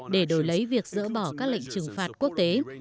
để đổi lấy việc dỡ bỏ các lệnh trừng phạt quốc tế